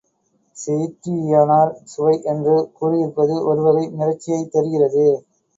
செயிற்றியனார் சுவை என்று கூறியிருப்பது ஒருவகை மிரட்சியைத் தருகிறது.